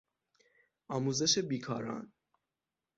آموزش بیکاران